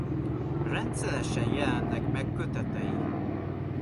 Rendszeresen jelennek meg kötetei.